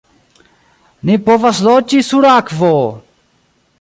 "Ni povas loĝi sur akvo!"